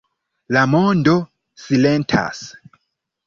La mondo silentas.